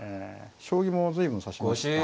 将棋も随分指しました